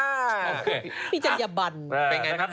พี่จัญญาบัน